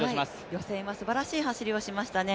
予選はすばらしい走りをしましたね。